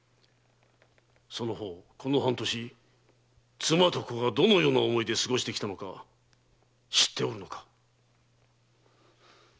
その方この半年妻と子がどのような想いで過ごしてきたのか知っておるのか？